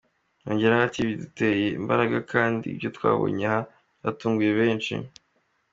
Yongeraho ati :”Biduteye imbaraga kandi ibyo twabonye aha byatwunguye byinshi”.